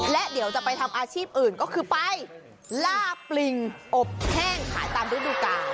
และเดี๋ยวจะไปทำอาชีพอื่นก็คือไปล่าปลิงอบแห้งขายตามฤดูกาล